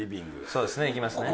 そうですね行きますね。